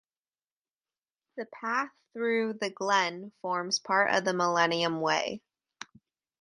The path through the glen forms part of the Millennium Way.